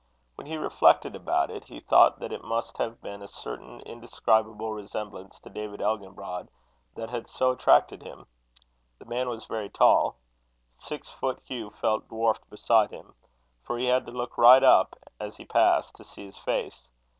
When he reflected about it, he thought that it must have been a certain indescribable resemblance to David Elginbrod that had so attracted him. The man was very tall. Six foot. Hugh felt dwarfed beside him; for he had to look right up, as he passed, to see his face.